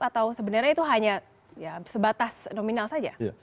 atau sebenarnya itu hanya sebatas nominal saja